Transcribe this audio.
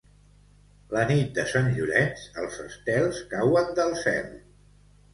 La nit de Sant Llorenç els estels cauen del cel.